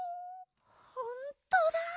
ほんとだ。